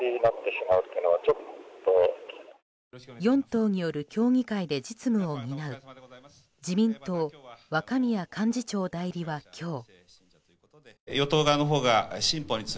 ４党による協議会で実務を担う自民党、若宮幹事長代理は今日。